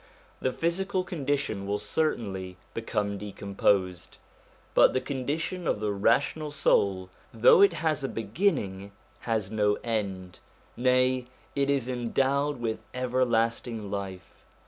The physical condition will certainly become decomposed, but the condition of the rational soul, though it has a be ginning, has no end : nay, it is endowed with ever lasting life.